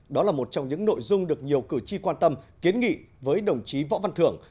đó là một trong những nội dung được nhiều cử tri quan tâm kiến nghị với đồng chí võ văn thưởng